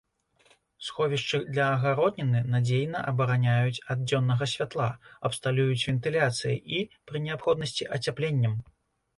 Сховішчы для агародніны надзейна абараняюць ад дзённага святла, абсталююць вентыляцыяй і, пры неабходнасці, ацяпленнем.